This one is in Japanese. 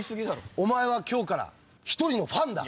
お前は今日から１人のファンだ。